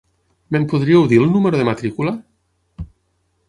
Me'n podríeu dir el número de matrícula?